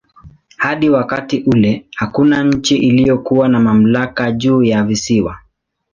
Hadi wakati ule hakuna nchi iliyokuwa na mamlaka juu ya visiwa.